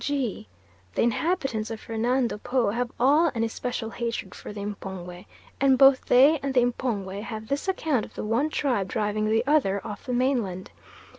G. The inhabitants of Fernando Po have still an especial hatred for the M'pongwe, and both they and the M'pongwe have this account of the one tribe driving the other off the mainland.